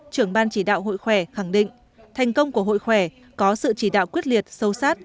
trưởng ban chỉ đạo hội khỏe khẳng định thành công của hội khỏe có sự chỉ đạo quyết liệt sâu sát